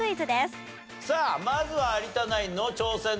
さあまずは有田ナインの挑戦です。